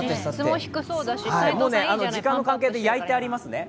もうね、時間の関係で焼いてありますね。